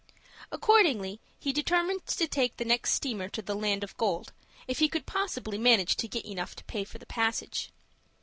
Accordingly he determined to take the next steamer to the land of gold, if he could possibly manage to get money enough to pay the passage.